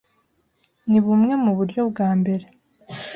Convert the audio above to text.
ni bumwe mu buryo bwa mbere